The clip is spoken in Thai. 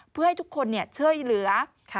เพื่อให้ทุกคนเนี่ยเชื่อเหลือ